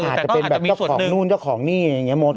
อาจจะเป็นแบบเจ้าของนู่นเจ้าของนี่อย่างนี้มด